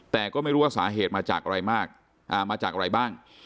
แต่ก็ไม่รู้ว่าสาเหตุมาจากอะไรมากมาจากอะไรบ้าง